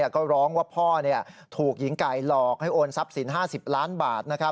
ก็ร้องว่าพ่อถูกหญิงไก่หลอกให้โอนทรัพย์สิน๕๐ล้านบาท